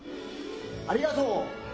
ありがとう。